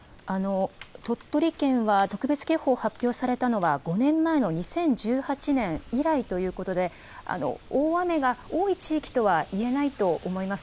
鳥取県は特別警報発表されたのは、５年前の２０１８年以来ということで、大雨が多い地域とはいえないと思います。